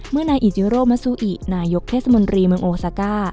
นายอิจิโรมัสซูอินายกเทศมนตรีเมืองโอซาก้า